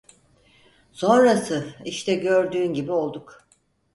Sonrası işte gördüğün gibi olduk!